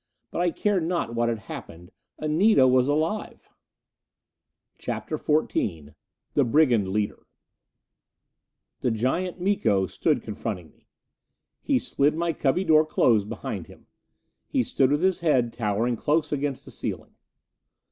But I cared not what had happened Anita was alive! CHAPTER XIV The Brigand Leader The giant Miko stood confronting me. He slid my cubby door closed behind him. He stood with his head towering close against my ceiling.